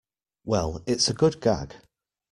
Well, it's a good gag.